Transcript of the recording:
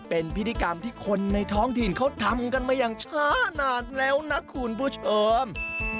เป็นพิธีกรรมที่คนในท้องถิ่นเขาทำกันมาอย่างช้านานแล้วนะคุณผู้ชม